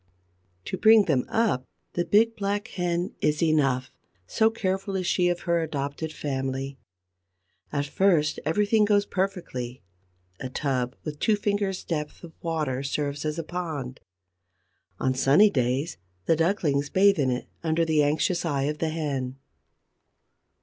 To bring them up, the big, black hen is enough, so careful is she of her adopted family. At first everything goes perfectly: a tub with two fingers' depth of water serves as a pond. On sunny days the ducklings bathe in it under the anxious eye of the hen.